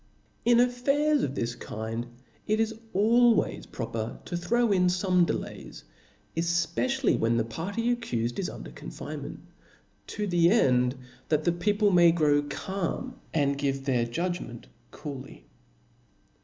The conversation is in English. In affairs of this kind, it is always proper to throw iE^hines. ^^^^"^^ delays, efpecially when the party accufed is under confinement ; to the end that the people may grow calm, and give their judgment cooly.